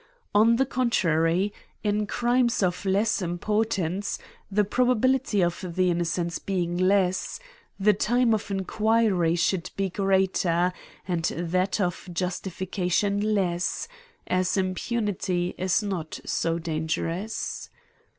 On the contrary, in crimes* of less importance, the probability of the innocence being less, the time of inquiry should be greater, and that of justifica tion less, as impunity is not so dangerous.